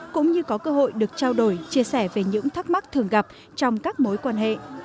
cũng như có cơ hội được trao đổi chia sẻ về những thắc mắc thường gặp trong các mối quan hệ